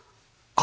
あ？